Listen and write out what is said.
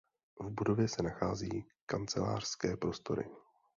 V budově se nachází kancelářské prostory.